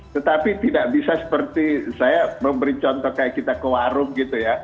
tetapi tidak bisa seperti saya memberi contoh kayak kita ke warung gitu ya